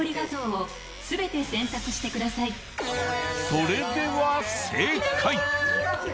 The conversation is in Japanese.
それでは正解。